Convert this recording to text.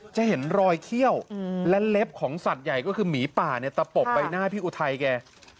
จะเห็นรอยเขี้ยวและเล็บของสัตว์ใหญ่ก็คือหมีป่าเนี่ยตะปบใบหน้าพี่อุทัยแก